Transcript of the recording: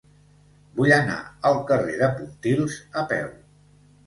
Vull anar al carrer de Pontils a peu.